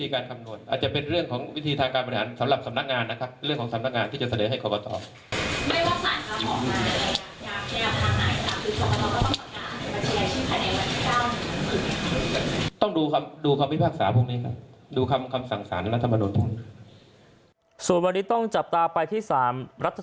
ก็ผมพูดได้แค่เนี้ยก็เราก็ต้องเตรียมรับสถานการณ์ไว้ว่าถ้าเกิดคำท่านพิพากษามาแบบไหนก็ต้องเตรียมไว้นะครับ